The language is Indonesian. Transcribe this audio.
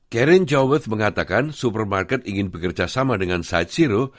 karen joweth mengatakan supermarket ingin bekerja sama dengan sight zero